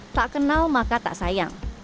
tak kenal maka tak sayang